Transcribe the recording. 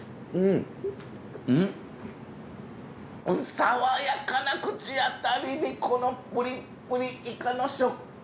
さわやかな口当たりにこのプリップリイカの食感。